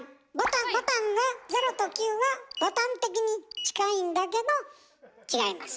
ボタンが０と９がボタン的に近いんだけど違います。